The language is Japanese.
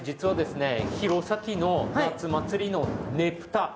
弘前の夏祭りのねぷた